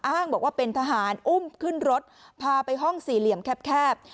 อ้างบอกว่าเป็นทหารอุ้มขึ้นรถพาไปห้องสี่เหลี่ยมแคบ